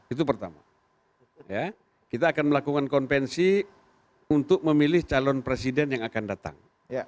itu pertama kita akan melakukan konvensi untuk memilih calon presiden yang akan datang